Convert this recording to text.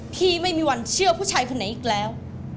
พี่ไม่มีวันเชื่อผู้ชายคนไหนอีกแล้ว